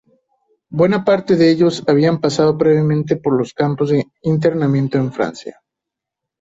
Buena parte de ellos habían pasado previamente por los campos de internamiento en Francia.